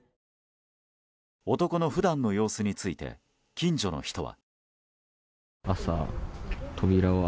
男の普段の様子について近所の人は。